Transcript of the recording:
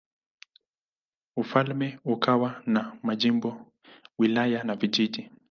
Ufalme ukawa na majimbo, wilaya na vijiji.